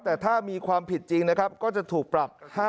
แต่ถ้ามีความผิดจริงนะครับก็จะถูกปรับ